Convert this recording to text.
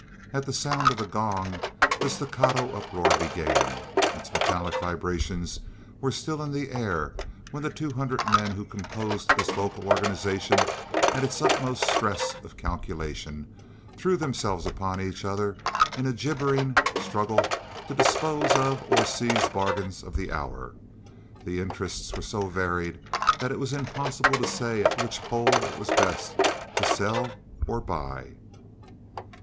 At the sound of the gong, the staccato uproar began. Its metallic vibrations were still in the air when the two hundred men who composed this local organization at its utmost stress of calculation, threw themselves upon each other in a gibbering struggle to dispose of or seize bargains of the hour. The interests were so varied that it was impossible to say at which pole it was best to sell or buy.